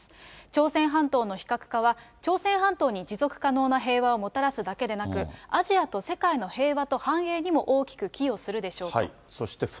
朝鮮半島の非核化は、朝鮮半島に持続可能な平和をもたらすだけでなく、アジアと世界の平和と繁栄にも大きく寄与するでしょうと。